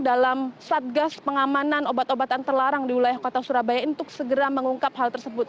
dalam satgas pengamanan obat obatan terlarang di wilayah kota surabaya untuk segera mengungkap hal tersebut